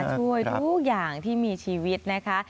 ช่วยทุกอย่างที่มีชีวิตนะคะ